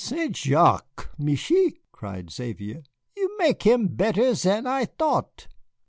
"Saint Jacques, Michié," cried Xavier, "you mek him better zan I thought."